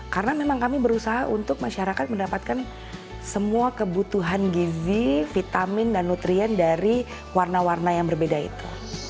karena memang kami berusaha untuk masyarakat mendapatkan semua kebutuhan gizi vitamin dan nutrien dari warna warna yang berbeda itu